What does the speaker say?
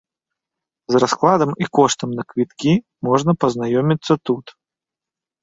З раскладам і коштам на квіткі можна пазнаёміцца тут.